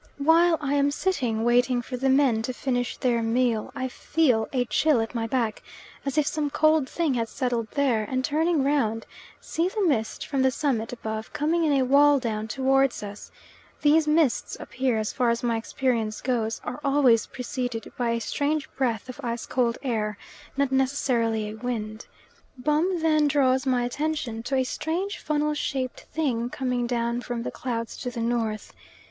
While I am sitting waiting for the men to finish their meal, I feel a chill at my back, as if some cold thing had settled there, and turning round, see the mist from the summit above coming in a wall down towards us. These mists up here, as far as my experience goes, are always preceded by a strange breath of ice cold air not necessarily a wind. Bum then draws my attention to a strange funnel shaped thing coming down from the clouds to the north.